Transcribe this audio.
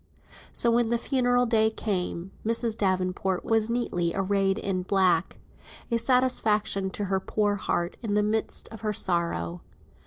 So when the funeral day came, Mrs. Davenport was neatly arrayed in black, a satisfaction to her poor heart in the midst of her sorrow.